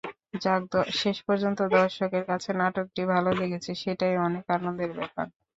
যাক, শেষ পর্যন্ত দর্শকদের কাছে নাটকটি ভালো লেগেছে, সেটাই অনেক আনন্দের ব্যাপার।